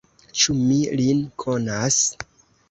Ĉu mi lin konas?